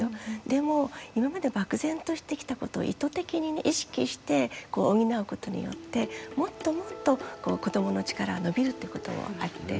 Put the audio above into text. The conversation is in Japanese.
でも今まで漠然としてきたことを意図的に意識して補うことによってもっともっと子どもの力は伸びるってこともあって。